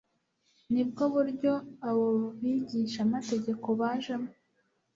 nibwo buryo abo bigishamategeko bajemo.